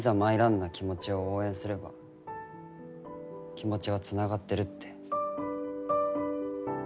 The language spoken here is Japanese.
な気持ちを応援すれば気持ちは繋がってるって。